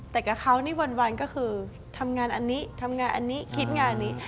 แต่กับเขานี่วันก็คือทำงานอันนี้ทำงานอันนี้คิดงานนี้